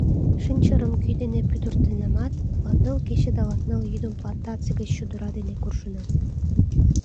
Шинчырым кӱ дене пудыртенамат, латныл кече да латныл йӱдым плантаций гыч чодыра дене куржынам.